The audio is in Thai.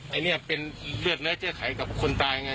อันนี้เป็นเลือดเนื้อเจอไขกับคนตายไง